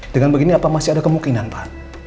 dengan begini apa masih ada kemungkinan pak